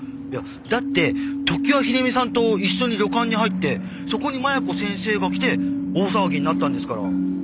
いやだって常盤秀美さんと一緒に旅館に入ってそこに麻弥子先生が来て大騒ぎになったんですから。